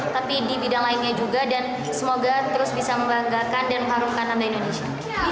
tapi di bidang lainnya juga dan semoga terus bisa membanggakan dan mengharumkan nama indonesia